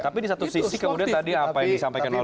tapi di satu sisi kemudian tadi apa yang disampaikan oleh